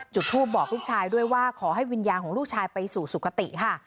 จุดทูปบอกลูกชายด้วยว่าขอให้วิญญาณของลูกชายไปสู่สุขติค่ะ